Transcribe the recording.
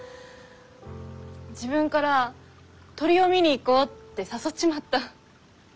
自分から「鳥を見に行こう」って誘っちまった。